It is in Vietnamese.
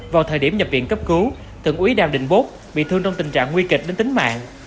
vào thời điểm nhập viện cấp cứu thượng úy đào đình bốt bị thương trong tình trạng nguy kịch đến tính mạng